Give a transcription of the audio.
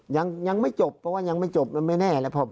ยังไม่จบเพราะว่ายังไม่จบมันไม่แน่แล้ว